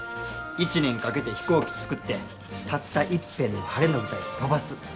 一年かけて飛行機作ってたったいっぺんの晴れの舞台で飛ばす。